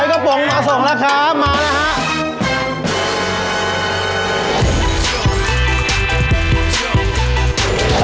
หอยกระป๋องมาส่องแล้วค่ะมาแล้วค่ะ